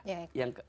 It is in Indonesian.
ya yang kelima